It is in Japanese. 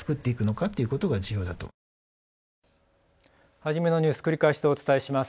初めのニュース、繰り返してお伝えします。